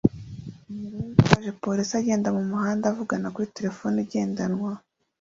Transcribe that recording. Umugore witwaje police agenda mumuhanda avugana kuri terefone igendanwa